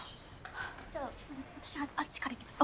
じゃあ私あっちからいきます。